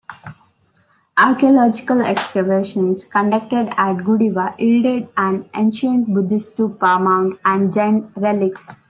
Archaeological excavations conducted at Gudivada yielded an ancient Buddhist Stupa Mound and Jain relics.